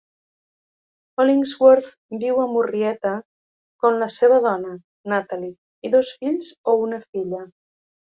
Hollingsworth viu a Murrieta con la seva dona, Natalie, i dos fills o una filla.